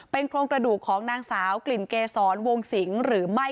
โครงกระดูกของนางสาวกลิ่นเกษรวงสิงห์หรือไม่